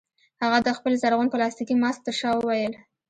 هغه د خپل زرغون پلاستيکي ماسک ترشا وویل